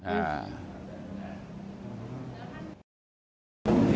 อ่า